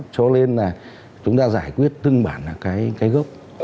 cho nên là chúng ta giải quyết từng bản là cái gốc